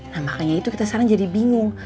nah makanya itu kita sekarang jadi bingung